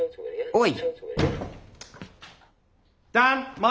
おい。